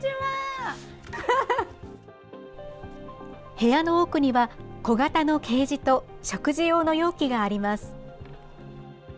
部屋の奥には小型のケージと食事用の容器があります。